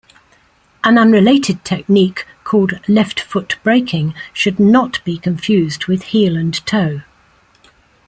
An unrelated technique called left-foot braking should not be confused with heel-and-toe.